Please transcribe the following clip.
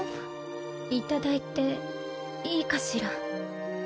いただいていいかしら。